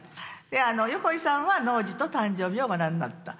で横井さんは農事と誕生日をご覧になった。